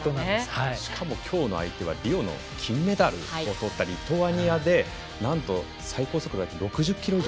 しかもきょうの相手はリオの金メダルをとったリトアニアでなんと、最高速度が６０キロ以上。